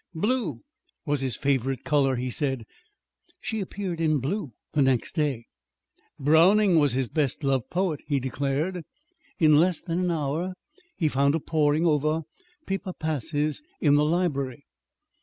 Blue was his favorite color, he said: she appeared in blue the next day. Browning was his best loved poet, he declared: in less than an hour he found her poring over "Pippa Passes" in the library.